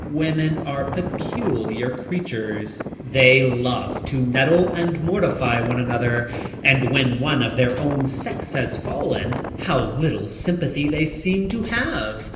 Women are peculiar creatures. They love to nettle and mortify one another ; and when one of their own sex has fallen, how little sympathy they seem to have